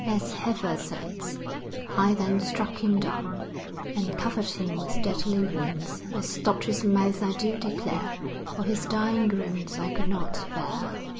As Heffer says, I then struck him down, And covered him with deadly wounds, I stopp'd his mouth I do declare, For his dying groans I could not bear.